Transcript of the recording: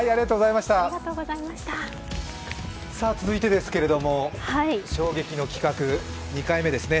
続いてですけれども、衝撃の企画、２回目ですね。